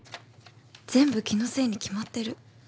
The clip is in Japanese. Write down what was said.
全部気のせいに決まってる